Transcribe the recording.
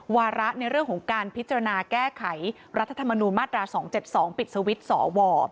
วาระในเรื่องของการพิจารณาแก้ไขรัฐธรรมนูญมาตรา๒๗๒ปิดสวิตช์สว